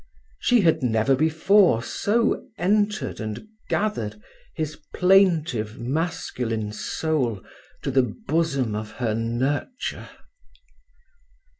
She had never before so entered and gathered his plaintive masculine soul to the bosom of her nurture.